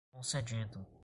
concedido